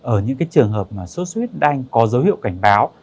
ở những trường hợp mà suất huyết đanh có dấu hiệu cảnh báo